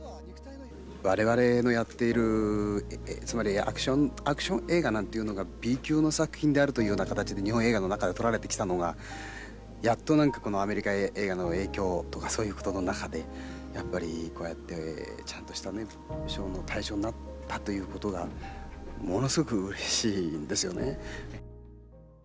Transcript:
われわれのやっている、つまりアクション映画なんていうのが、Ｂ級の作品であるというような形で日本映画の中で取られてきたのが、やっとなんか、このアメリカ映画の影響とか、そういうことの中で、やっぱりこうやって、ちゃんとしたね、賞の対象になったということが、ものすごくうれしいんですよね。